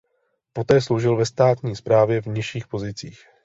Poté sloužil ve státní správě v nižších pozicích.